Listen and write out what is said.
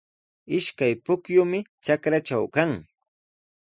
Ishkay pukyumi trakraatraw kan.